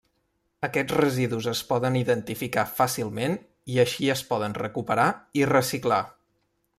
Aquests residus es poden identificar fàcilment i així es poden recuperar i reciclar.